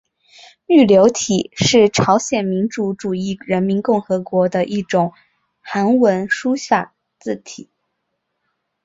玉流体是朝鲜民主主义人民共和国的一种韩文书法字体。